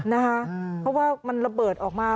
เพราะว่ามันระเบิดออกมา